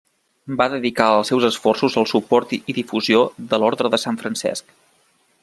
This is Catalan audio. Va dedicar els seus esforços al suport i difusió de l'Orde de Sant Francesc.